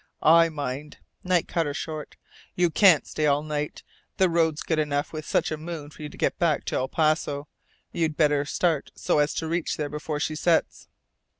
"I mind," Knight cut her short. "You can't stay all night. The road's good enough with such a moon for you to get back to El Paso. You'd better start so as to reach there before she sets."